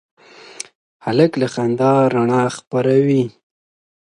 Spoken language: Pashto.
هلک له خندا رڼا خپروي.